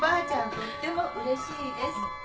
とってもうれしいです。